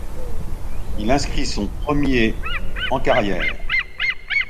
Il inscrit son premier ' en carrière.